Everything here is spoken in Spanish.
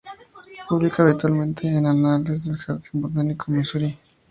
Publica habitualmente en Anales del Jardín Botánico de Misuri.